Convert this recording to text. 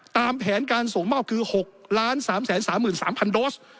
ตามแผนการส่งมอบคือ๖๓๓๓๐๐โดส